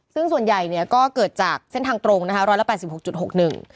ซึ่งส่วนใหญ่เนี้ยก็เกิดจากเส้นทางตรงนะคะร้อยละแปดสิบหกจุดหกหนึ่ง